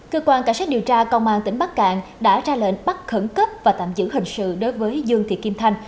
cơ quan cảnh sát điều tra công an tỉnh bắc cạn đã ra lệnh bắt khẩn cấp và tạm giữ hình sự đối với dương thị kim thanh